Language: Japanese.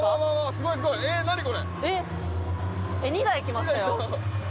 ２台来ましたよ。